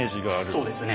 そうですね。